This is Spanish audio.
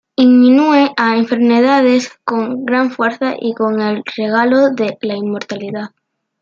Inmune a enfermedades, con gran fuerza y con el regalo de la inmortalidad.